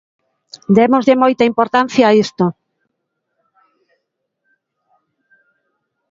Dámoslle moita importancia a isto.